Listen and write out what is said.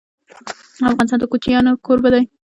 افغانستان د کوچیان کوربه دی.